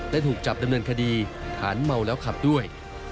และถูกจับดำเนินคดีฐานเมาแล้วขับด้วย